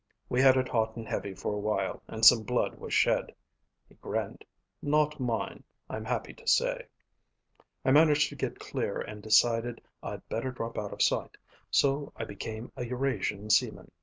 We had it hot and heavy for a while and some blood was shed." He grinned. "Not mine, I'm happy to say. I managed to get clear and decided I'd better drop out of sight. So I became a Eurasian seaman.